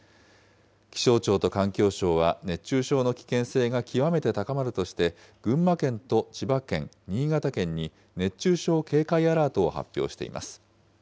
気象庁と環境省は熱中症の危険性が極めて高まるとして、群馬県と千葉県、新潟県に熱中症警戒アラートを発表しています。